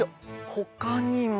他にも。